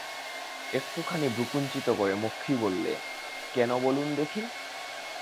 একটুখানি ভ্রুকুঞ্চিত করে মক্ষী বললে, কেন বলুন দেখি।